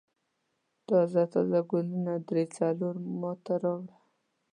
تازه تازه ګلونه درې څلور ما ته راوړه.